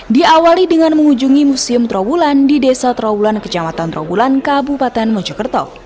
diawali dengan mengunjungi museum trawulan di desa trawulan kecamatan trawulan kabupaten mojokerto